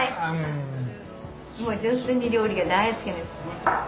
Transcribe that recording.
もう純粋に料理が大好きな人ね。